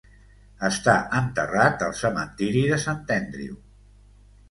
Està enterrat al cementiri de Sant Andrew.